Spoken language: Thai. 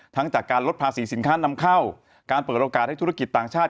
จากการลดภาษีสินค้านำเข้าการเปิดโอกาสให้ธุรกิจต่างชาติ